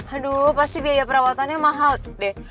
aduh pasti biaya perawatannya mahal deh